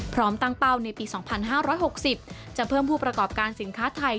พร้อมตั้งเป้าในปี๒๕๖๐จะเพิ่มผู้ประกอบการสินค้าไทย